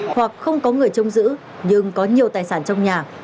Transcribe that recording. hoặc không có người trông giữ nhưng có nhiều tài sản trong nhà